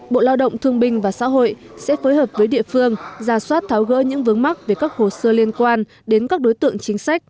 bộ lao động thương binh và xã hội sẽ phối hợp với địa phương ra soát tháo gỡ những vướng mắc về các hồ sơ liên quan đến các đối tượng chính sách